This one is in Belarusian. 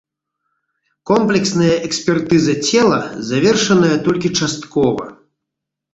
Комплексная экспертыза цела завершаная толькі часткова.